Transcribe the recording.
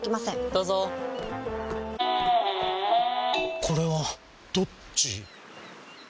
どうぞこれはどっち？